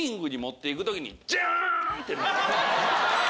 って。